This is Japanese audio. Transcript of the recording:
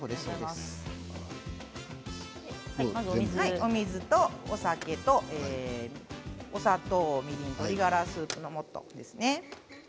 お水とお酒とお砂糖、みりん鶏ガラスープのもとですね。